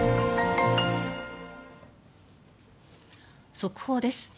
速報です。